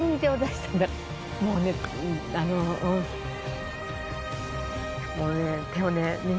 もうね手をね